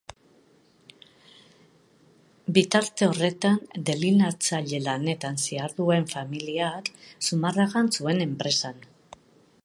Bitarte horretan delineatzaile lanetan ziharduen familiak Zumarragan zuen enpresan.